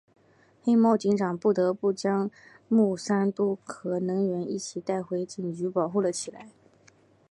黑猫警长不得不将牟三嘟和能源一起带回警局保护了起来。